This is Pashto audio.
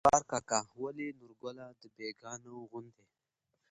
جبار کاکا: ولې نورګله د بيګانه وو غوندې